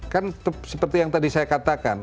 kan seperti yang tadi saya katakan